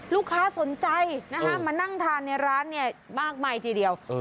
ลูกค้าสนใจมานั่งทานในร้านเนี่ยมากมายทีเดียว